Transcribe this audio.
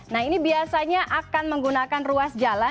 nah ini biasanya akan menggunakan ruas jalan